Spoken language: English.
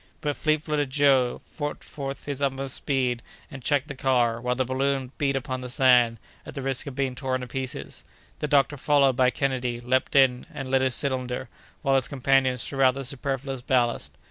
But fleet footed Joe put forth his utmost speed, and checked the car, while the balloon beat upon the sand, at the risk of being torn to pieces. The doctor, followed by Kennedy, leaped in, and lit his cylinder, while his companions threw out the superfluous ballast.